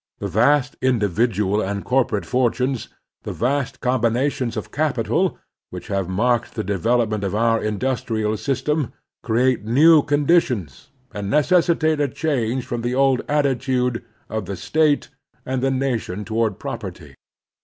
The vast individual and corporate fortunes, the vast combinations of aro The Strenuous Life capital, which have marked the development of our industrial system create new conditions, and neces sitate a change from the old attitude of the State and the nation toward property.